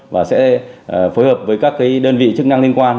và sẽ phối hợp với các đơn vị chức năng liên quan